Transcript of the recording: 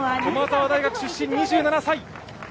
駒澤大学出身２７歳。